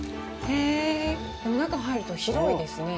へぇぇ、中に入ると広いですね。